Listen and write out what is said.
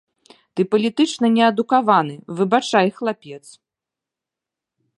Ты палітычна неадукаваны, выбачай, хлапец.